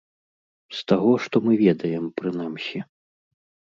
З таго, што мы ведаем, прынамсі.